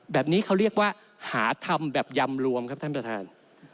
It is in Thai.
แบบนี้เขาเรียกว่าหาทำแบบยำรวมครับท่านประธาน